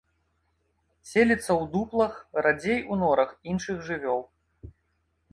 Селіцца ў дуплах, радзей у норах іншых жывёл.